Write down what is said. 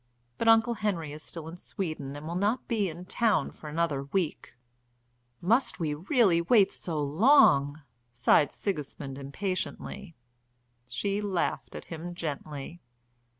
"But Uncle Henry is still in Sweden and will not be in town for another week." "Must we really wait so long!" sighed Sigismund impatiently. She laughed at him gently.